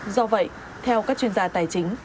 do vậy theo các chuyên gia tài chính